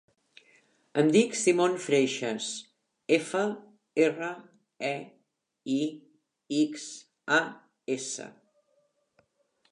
Em dic Simon Freixas: efa, erra, e, i, ics, a, essa.